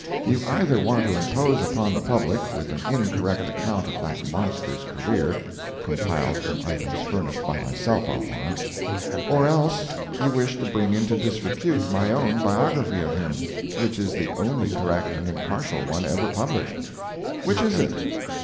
You either want to impose upon the public with an incorrect account of that monster's career (compiled from items furnished by himself, I'll warrant), or else you wish to bring into disrepute my own biography of him, which is the only correct and impartial one ever published. Which is it?